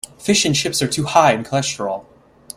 Fish and chips are too high in cholesterol.